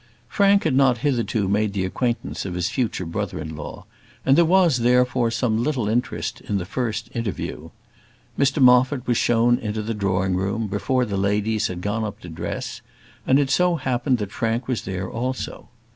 Frank had not hitherto made the acquaintance of his future brother in law, and there was, therefore, some little interest in the first interview. Mr Moffat was shown into the drawing room before the ladies had gone up to dress, and it so happened that Frank was there also.